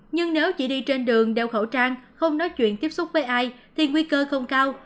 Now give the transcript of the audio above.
nhưng nếu chỉ đi trên đường đeo khẩu trang không nói chuyện tiếp xúc với ai thì nguy cơ không cao